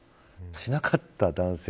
しなかった男性。